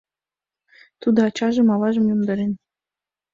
Тудо ачажым, аважым йомдарен.